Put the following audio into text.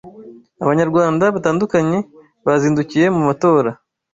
abanyarwanda batandukanye bazindukiye mu matora